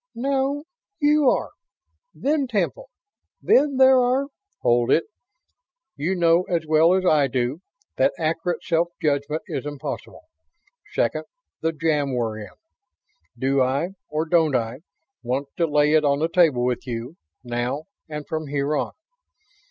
"No. You are. Then Temple. Then there are ..." "Hold it. You know as well as I do that accurate self judgment is impossible. Second, the jam we're in. Do I, or don't I, want to lay it on the table with you, now and from here on?